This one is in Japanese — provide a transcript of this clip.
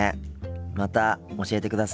また教えてください。